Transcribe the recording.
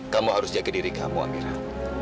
kamu harus jaga diri kamu amira